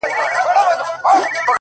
هغې کافري په ژړا کي راته وېل ه;